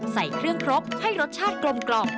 ใส่เครื่องครบให้รสชาติกรมกรอบ